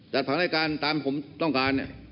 ผังรายการตามผมต้องการ